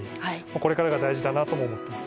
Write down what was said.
これからが大事だなとも思っています。